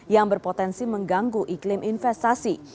yang berpotensi mengganggu iklim investasi